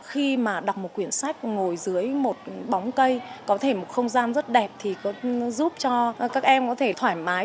khi mà đọc một quyển sách ngồi dưới một bóng cây có thể một không gian rất đẹp thì có giúp cho các em có thể thoải mái